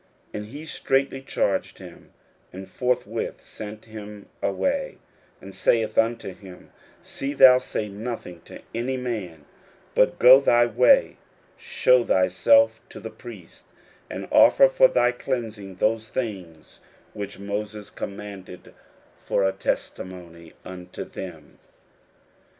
41:001:043 And he straitly charged him, and forthwith sent him away; 41:001:044 And saith unto him, See thou say nothing to any man: but go thy way, shew thyself to the priest, and offer for thy cleansing those things which Moses commanded, for a testimony unto them.